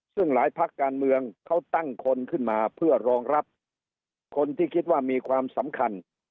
ซึ่งหลายพักการเมืองเขาตั้งคนขึ้นมาเพื่อรองรับคนที่คิดว่ามีความสำคัญ